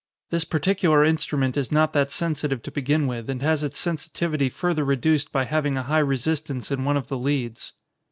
This particular instrument is not that sensitive to begin with, and has its sensitivity further reduced by having a high resistance in one of the leads."